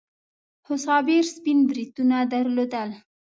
خو صابر سپين بریتونه درلودل.